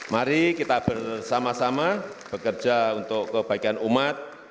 mari kita bersama sama bekerja untuk kebaikan umat